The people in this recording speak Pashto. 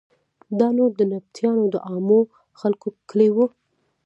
دا نو د نبطیانو د عامو خلکو کلی و.